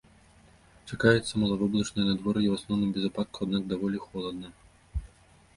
Чакаецца малавоблачнае надвор'е і ў асноўным без ападкаў, аднак даволі холадна.